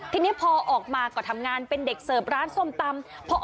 ทีนี้พอออกมาก็ทำงานเป็นเด็กเสิร์ฟร้านส้มตำ